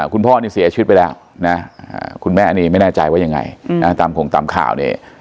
คุณพ่อนี่เสียชีวิตไปแล้วนะคุณแม่อันนี้ไม่แน่ใจว่ายังไงตามคงตามข่าวเนี่ย